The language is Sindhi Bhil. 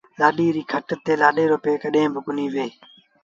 لآڏي ريٚ کٽ تي لآڏي رو پي ڪڏهين با ڪونهيٚ ويه